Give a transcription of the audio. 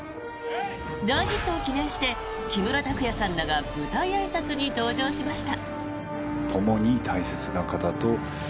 大ヒットを記念して木村拓哉さんらが舞台あいさつに登場しました。